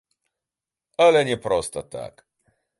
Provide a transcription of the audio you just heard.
Але не проста так.